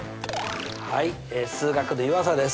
はい数学の湯浅です。